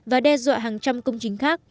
và đe dọa hàng trăm công chính khác